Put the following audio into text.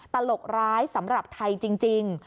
ตลกร้ายสำหรับไทยจริง